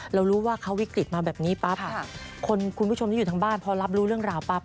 เรารู้ว่าเขาวิกฤตมาแบบนี้ปั๊บคุณผู้ชมที่อยู่ทางบ้านพอรับรู้เรื่องราวปั๊บ